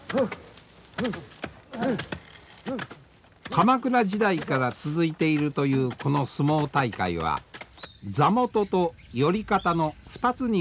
鎌倉時代から続いているというこの相撲大会は座元と寄方の２つに分かれて戦います。